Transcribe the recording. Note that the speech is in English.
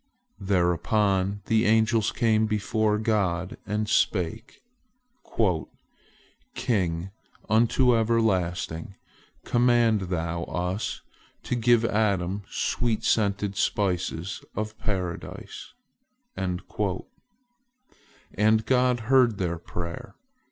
Thereupon the angels came before God, and spake: "King unto everlasting, command Thou us to give Adam sweet scented spices of Paradise," and God heard their prayer.